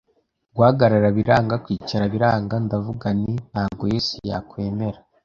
guhagarara biranga, kwicara biranga, ndavuga nti ntago Yesu yakwemera